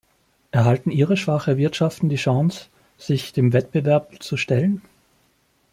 Erhalten ihre schwachen Wirtschaften die Chance, sich dem Wettbewerb zu stellen?